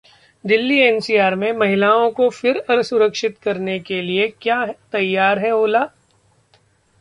दिल्ली-एनसीआर में महिलाओं को फिर असुरक्षित करने के लिए क्या तैयार है ओला?